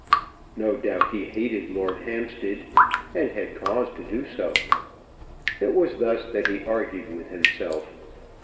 No doubt he hated Lord Hampstead, and had cause to do so. It was thus that he argued with himself.